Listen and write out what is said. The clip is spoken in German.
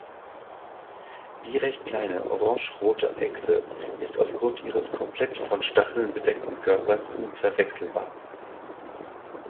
Die recht kleine, orangerote Echse ist aufgrund ihres komplett von Stacheln bedeckten Körpers unverwechselbar.